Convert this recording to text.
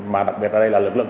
mà đặc biệt ở đây là lực lượng